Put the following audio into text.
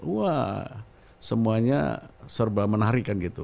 wah semuanya serba menarik kan gitu